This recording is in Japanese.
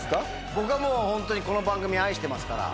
僕はもうホントにこの番組を愛してますから。